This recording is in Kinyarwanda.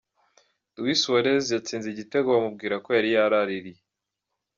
Louis Suarez yatsinze igitego bamubwira ko yari yararaririye .